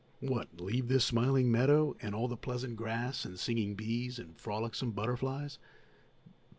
What, leave this smiling meadow and all the pleasant grass and singing bees and frolicsome butterflies?